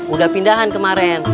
udah pindahan kemarin